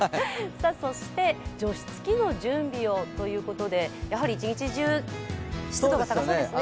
そして、除湿器の準備をということでやはり一日中、湿度が高そうですね。